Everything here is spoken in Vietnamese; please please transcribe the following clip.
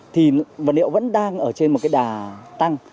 thì vật liệu vẫn đang ở trên một cái đà tăng